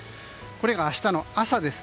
これが明日の朝です。